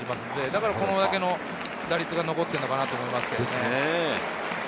だからこれだけの打率が残っているのかなと思います。